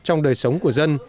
trong đời sống của dân